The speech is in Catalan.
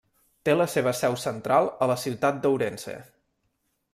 Té la seva seu central a la ciutat d'Ourense.